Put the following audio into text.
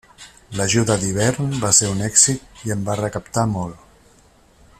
L'ajuda d'hivern va ser un èxit i en va recaptar molt.